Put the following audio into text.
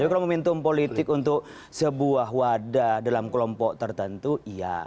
kalau momentum politik untuk sebuah wadah dalam kelompok tertentu iya